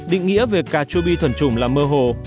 định nghĩa về cà chua bi thuần trùng là mơ hồ